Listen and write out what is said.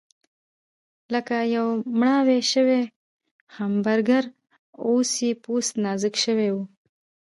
لکه یو مړاوی شوی همبرګر، اوس یې پوست نازک شوی و.